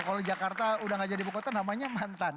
kalau jakarta udah gak jadi ibu kota namanya mantan